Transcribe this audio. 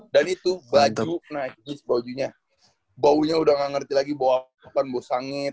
dan itu baju naiknya sepaujunya baunya udah gak ngerti lagi bau apaan bau sangit